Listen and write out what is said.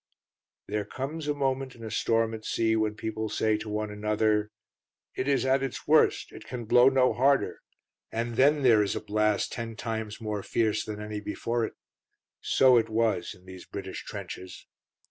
There comes a moment in a storm at sea when people say to one another, "It is at its worst; it can blow no harder," and then there is a blast ten times more fierce than any before it. So it was in these British trenches.